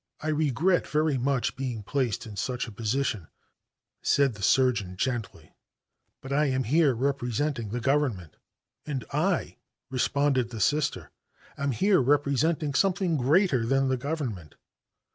"I regret very much being placed in such a position," said the surgeon gently, "but I am here representing the Government." "And I," responded the Sister, "am here representing something greater than the Government."